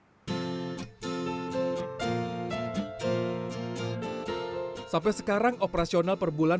semuanya habis untuk membayar listrik air dan membayar gaji tiga karyawan